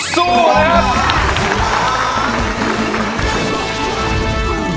สู้เลยครับ